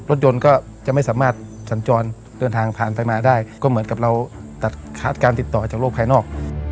รถยนต์ก็จะไม่สามารถสัญจรเดินทางผ่านไปมาได้ก็เหมือนกับเราตัดขาดการติดต่อจากโลกภายนอก